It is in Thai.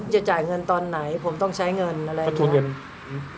จะจ่ายเงินตอนไหนผมต้องใช้เงินอะไรทุนเงิน